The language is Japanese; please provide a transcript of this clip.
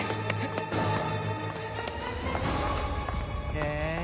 へえ。